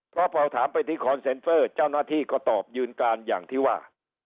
เพราะพอถามไปที่คอนเซ็นเฟอร์เจ้าหน้าที่ก็ตอบยืนการอย่างที่ว่า